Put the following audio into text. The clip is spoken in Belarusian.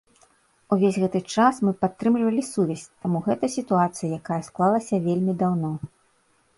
Увесь гэты час мы падтрымлівалі сувязь, таму гэта сітуацыя, якая склалася вельмі даўно.